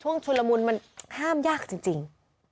ช่วงชุดละมุนมันห้ามยากจริง